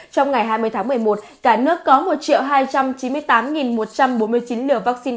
trong ngày hai mươi tháng một mươi một cả nước có một hai trăm chín mươi tám một trăm bốn mươi chín liều vaccine